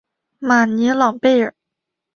马尼朗贝尔。